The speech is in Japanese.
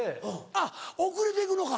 あっ遅れて行くのか？